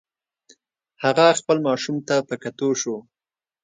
هغه خپل ماشوم ته په کتو شو.